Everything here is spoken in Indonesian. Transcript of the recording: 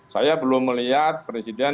saya belum melihat presiden